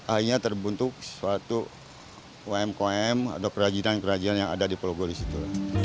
akhirnya terbentuk suatu umkm atau kerajinan kerajinan yang ada di pulau golis itu